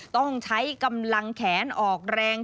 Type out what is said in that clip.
ต้องใช้กำลังแขนออกแรง